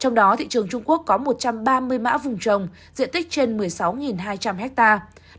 trong đó thị trường trung quốc có một trăm ba mươi mã vùng trồng diện tích trên một mươi sáu hai trăm linh hectare